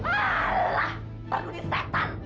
alah peduli setan